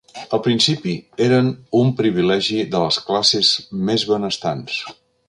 Al principi, eren un privilegi de les classes més benestants.